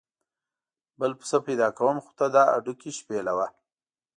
بل پسه پیدا کوم خو ته دا هډوکي شپېلوه.